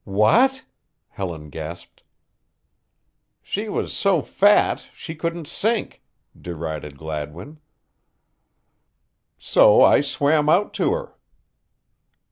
"What!" Helen gasped. "She was so fat she couldn't sink," derided Gladwin, "so I swam out to her."